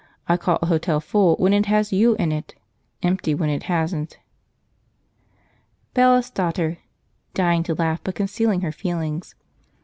I call a hotel full when it has you in it, empty when it hasn't." Bailiff's Daughter (dying to laugh, but concealing her feelings).